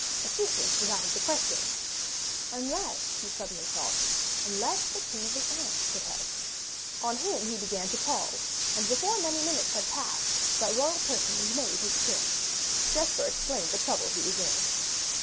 Assistance was out of the question unless, he suddenly thought unless the King of the Ants could help. On him he began to call, and before many minutes had passed that royal personage made his appearance. Jesper explained the trouble he was in.